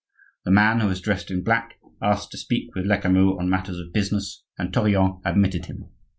The man, who was dressed in black, asked to speak with Lecamus on matters of business, and Tourillon admitted him.